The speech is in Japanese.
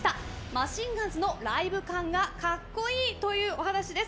マシンガンズのライブ感がかっこいいというお話です。